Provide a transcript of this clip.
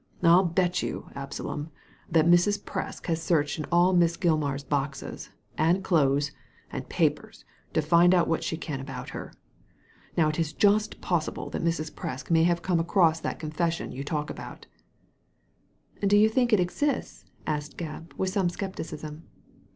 I'll bet you, Absalom, that Mrs. Presk has searched in all Miss Gilmar's boxes, and clothes, and papers, to find out what she can about her. Now, it is just possible that Mrs. Presk may have come across that confession you talk about'' "Do you think it exists ?" asked Gebb, with some scepticism.